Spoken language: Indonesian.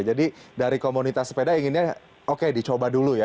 jadi dari komunitas sepeda inginnya oke dicoba dulu ya